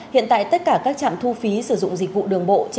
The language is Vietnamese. hiện tại tất cả các trạm thu phí sử dụng dịch vụ đường bộ